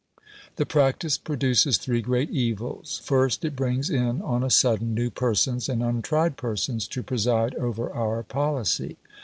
The practice produces three great evils. First, it brings in on a sudden new persons and untried persons to preside over our policy.